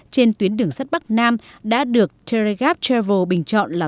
trên tuyến đường sắt bắc nam đã được terragap travel bình chọn là